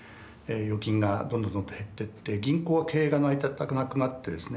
預金がどんどんどんどん減ってって銀行は経営が成り立たなくなってですね